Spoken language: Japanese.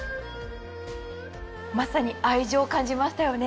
まさに愛情を感じましたよね。